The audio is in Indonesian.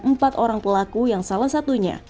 empat orang pelaku yang salah satunya